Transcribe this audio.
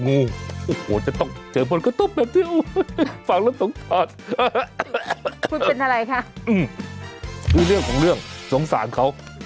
คุณเป็นอะไรคะอืมด้วยเรื่องของเรื่องสงสารเขา